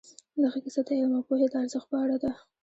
دغه کیسه د علم او پوهې د ارزښت په اړه ده.